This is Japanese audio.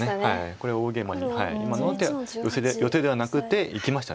これ大ゲイマに今の手はヨセではなくて生きました。